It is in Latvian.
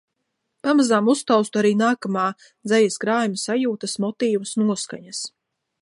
Pamazām uztaustu arī nākamā dzejas krājuma sajūtas, motīvus, noskaņas.